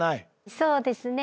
そうですね。